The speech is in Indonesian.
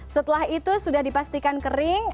setelah itu sudah dipastikan kering